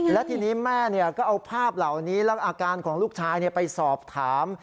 และทีนี้แม่ก็เอาภาพเหล่านี้แล้วก็อาการของลูกชายไปสอบถาม